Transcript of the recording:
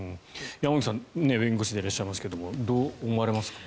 山口さんは弁護士でいらっしゃいますがどう思われますか。